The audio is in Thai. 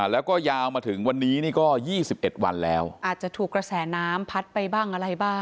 แล้วก็ยาวมาถึงวันนี้นี่ก็๒๑วันแล้วอาจจะถูกกระแสน้ำพัดไปบ้างอะไรบ้าง